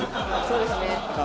そうですね。